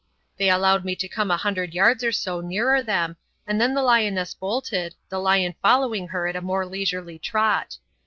They allowed me to come a hundred yards or so nearer them, and then the lioness bolted, the lion following her at a more leisurely trot.